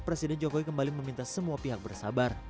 presiden jokowi kembali meminta semua pihak bersabar